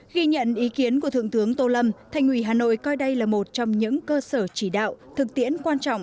ghi nhận ý kiến của thượng tướng tô lâm thành ủy hà nội coi đây là một trong những cơ sở chỉ đạo thực tiễn quan trọng